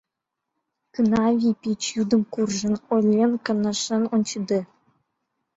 Кынавий пич йӱдым Куржын, ойлен, каҥашен ончыде…